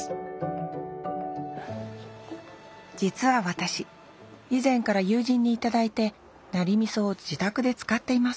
実は私以前から友人に頂いてナリ味噌を自宅で使っています。